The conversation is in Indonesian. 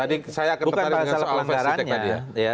tadi saya tertarik dengan soal versi tek tadi ya